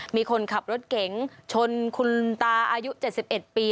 มีคนขับรถเก๋งชนคุณตาอายุ๗๑ปี